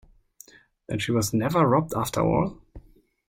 Then she was never robbed after all?